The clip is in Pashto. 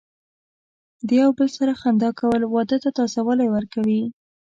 د یو بل سره خندا کول، واده ته تازه والی ورکوي.